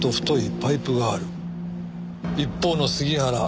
一方の杉原。